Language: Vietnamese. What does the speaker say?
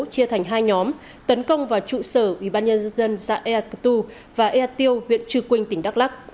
chia thành hai nhóm tấn công vào trụ sở ubnd xã ea tờ tu và ea tiêu huyện trư quynh tỉnh đắk lắc